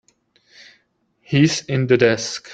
He's in the desk.